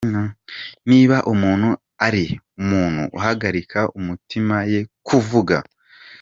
Niba umuntu ari umuntu uhagarika umutima, ye kuvuga.